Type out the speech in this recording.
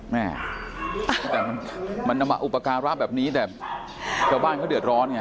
แม่แต่มันนำมาอุปการะแบบนี้แต่ชาวบ้านเขาเดือดร้อนไง